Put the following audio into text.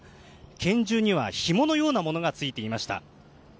拳銃には、ひものようなものがついていました。